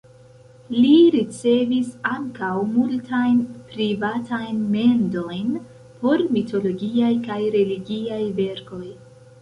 Li ricevis ankaŭ multajn privatajn mendojn por mitologiaj kaj religiaj verkoj.